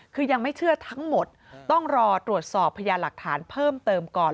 คือยังไม่เชื่อทั้งหมดต้องรอตรวจสอบพยานหลักฐานเพิ่มเติมก่อน